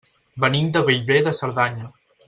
Venim de Bellver de Cerdanya.